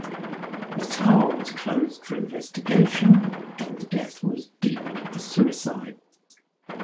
The tower was closed for investigation, and the death was deemed a suicide.